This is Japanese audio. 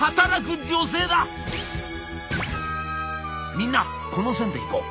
みんなこの線でいこう。